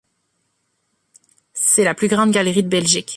C'est la plus grande galerie de Belgique.